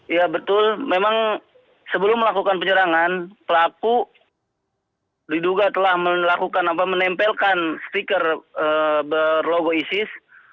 ya betul memang sebelum melakukan penyerangan pelaku diduga telah melakukan apa menempelkan stiker berlogo isis